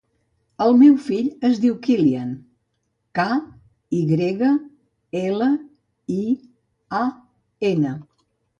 El meu fill es diu Kylian: ca, i grega, ela, i, a, ena.